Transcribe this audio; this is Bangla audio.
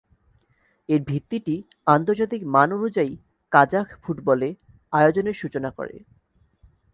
এর ভিত্তিটি আন্তর্জাতিক মান অনুযায়ী কাজাখ ফুটবলে আয়োজনের সূচনা করে।